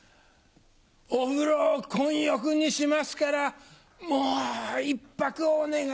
お風呂混浴にしますからもう１泊お願いします。